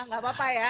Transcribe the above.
gak apa apa ya